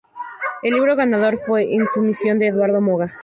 El libro ganador fue Insumisión de Eduardo Moga.